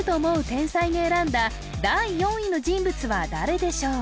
天才に選んだ第４位の人物は誰でしょう？